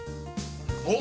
おっ。